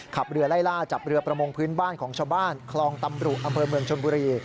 ขับเรือไล่ล่าจับเรือประมงพื้นบ้านของชาวบ้านคลองตำรุอำเภอเมืองชนบุรี